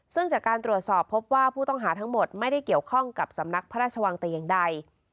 ซึ่งจากการตรวจสอบพบว่าผู้ต้องหาทั้งหมดไม่ได้เกี่ยวข้องกับสำนักพระราชวังแต่อย่างใด